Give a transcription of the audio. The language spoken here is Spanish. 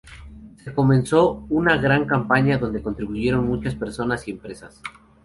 Se comenzó una gran campaña, donde contribuyeron muchas personas y empresas.